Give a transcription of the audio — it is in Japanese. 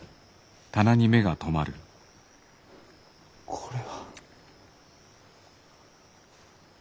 これは。